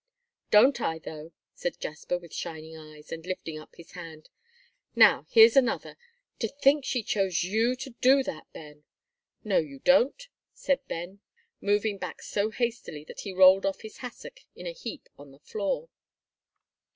"Don't I though?" said Jasper, with shining eyes, and lifting up his hand. "Now, here's another to think she chose you to do that, Ben!" "No, you don't," said Ben, moving back so hastily that he rolled off his hassock in a heap on the floor.